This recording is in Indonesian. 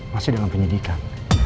masih dalam penyidikan